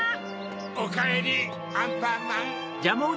おかえりアンパンマン。